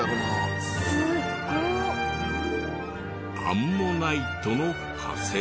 アンモナイトの化石。